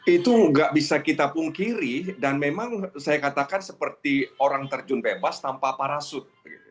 itu nggak bisa kita pungkiri dan memang saya katakan seperti orang terjun bebas tanpa parasut